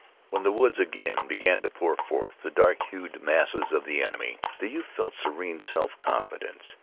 When the woods again began to pour forth the dark hued masses of the enemy the youth felt serene self confidence.